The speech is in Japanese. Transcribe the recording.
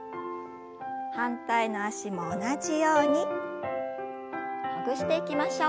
反対の脚も同じようにほぐしていきましょう。